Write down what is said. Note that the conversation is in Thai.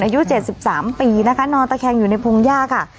อายุเจ็ดสิบสามปีนะคะนอตแคงอยู่ในพงหญ้าค่ะ